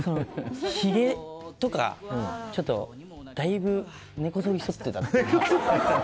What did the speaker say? ひげとか、ちょっとだいぶ根こそぎそってたので。